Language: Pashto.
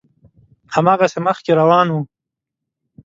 هماغسې مخکې روان و.